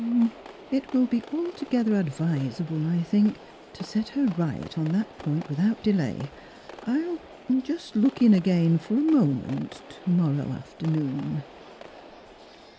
*' It will be altogether advisable, I think, to set her right on that point without delay. I will — ah — just look in again for a moment to morrow after noon."